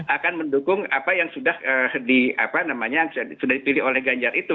akan mendukung apa yang sudah dipilih oleh ganjar itu